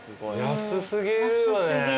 安過ぎるよね。